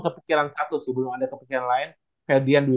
kepikiran satu sih belum ada kepikiran lain kayak dia di